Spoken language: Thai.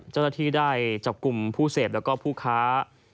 เจ้าหน้าที่ได้จับกลุ่มผู้เสพแล้วก็ผู้ค้า